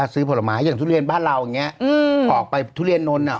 ซื้อผลไม้อย่างทุเรียนบ้านเราอย่างนี้ออกไปทุเรียนนนท